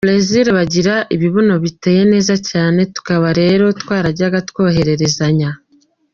Brasil bagira ibibuno biteye neza cyane, tukaba rero twarajyaga twohererezanya.